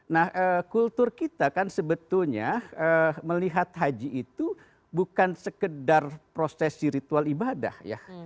nah kultur kita kan sebetulnya melihat haji itu bukan sekedar prosesi ritual ibadah ya